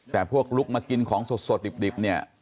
แต่พวกลุกมากินของสดดิบเนี่ย